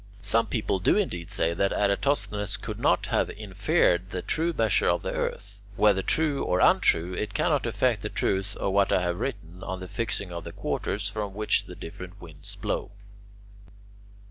Some people do indeed say that Eratosthenes could not have inferred the true measure of the earth. Whether true or untrue, it cannot affect the truth of what I have written on the fixing of the quarters from which the different winds blow.